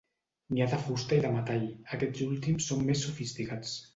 N'hi ha de fusta i de metall, aquests últims són més sofisticats.